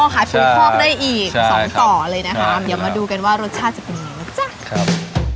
ขายผิวคอกได้อีกสองต่อเลยนะคะเดี๋ยวมาดูกันว่ารสชาติจะเป็นยังไงนะจ๊ะครับ